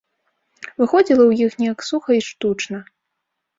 Выходзіла ў іх неяк суха і штучна.